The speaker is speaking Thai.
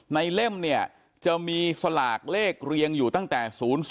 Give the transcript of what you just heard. เล่มเนี่ยจะมีสลากเลขเรียงอยู่ตั้งแต่๐๔